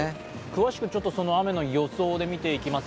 詳しく雨の予想で見ていきます。